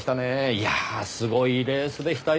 いやぁすごいレースでしたよ。